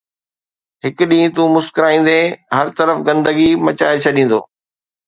هڪ ڏينهن تون مسڪرائيندين، هر طرف گندگي مچائي ڇڏيندو